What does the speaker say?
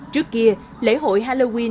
trước kia lễ hội halloween